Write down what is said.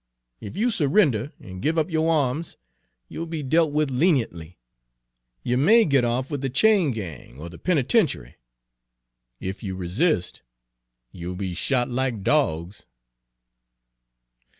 If you surrender and give up your arms, you'll be dealt with leniently, you may get off with the chain gang or the penitentiary. If you resist, you'll be shot like dogs."